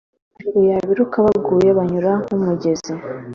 Hejuru yabiruka baguye banyura nkumugezi